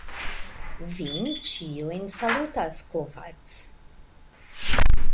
Vin ĉiujn salutas: Kovacs.